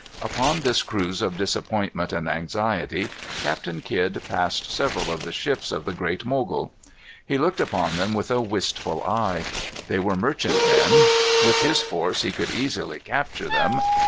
Upon this cruise of disappointment and anxiety, Captain Kidd passed several of the ships of the Great Mogul. He looked upon them with a wistful eye. They were merchantmen. With his force he could easily capture them.